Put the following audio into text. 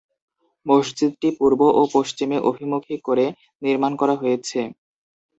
মসজিদটি পূর্ব ও পশ্চিমে অভিমুখী করে নির্মাণ করা হয়েছে।